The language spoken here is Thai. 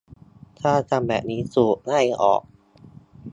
ถ้าทำแบบนี้ ถูกไล่ออก